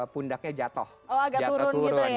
pundaknya jatuh oh agak turun gitu ya